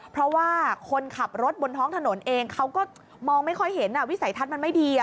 เพราะว่าคนขับรถบนท้องถนนเองเขาก็มองไม่ค่อยเห็นวิสัยทัศน์มันไม่ดี